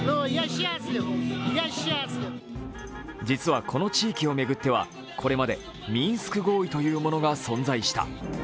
実はこの地域を巡ってはこれまでミンスク合意というものが存在した。